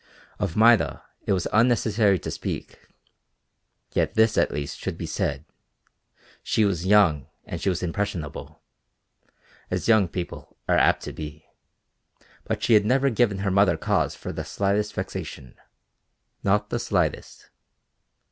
Of Maida it was unnecessary to speak, yet this at least should be said, she was young and she was impressionable, as young people are apt to be, but she had never given her mother cause for the slightest vexation, not the slightest.